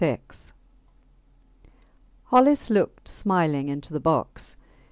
VI Hollis looked smiling into the box.